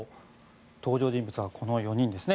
登場人物はこの４人ですね。